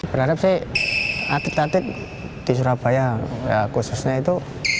berharap saya atik atik di surabaya khususnya itu